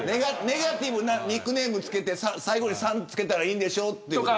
ネガティブなニックネーム付けて最後に、さん付けたらいいんでしょうとか。